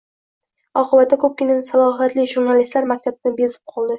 Oqibatda ko‘pgina salohiyatli jurnalistlar maktabdan bezib qoldi.